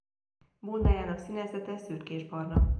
Bundájának színezete szürkésbarna.